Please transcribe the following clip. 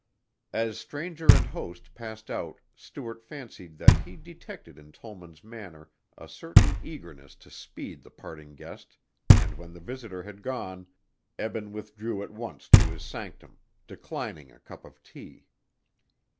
As stranger and host passed out Stuart fancied that he detected in Tollman's manner a certain eagerness to speed the parting guest and when the visitor had gone, Eben withdrew at once to his sanctum, declining a cup of tea.